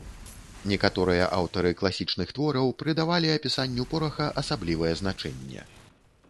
Некаторыя аўтары класічных твораў прыдавалі апісанню пораху асаблівае значэнне.